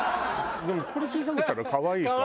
でもこれ小さくしたら可愛いか。